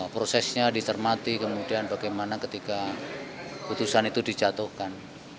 prosesnya dicermati kemudian bagaimana ketika putusan itu dijatuhkan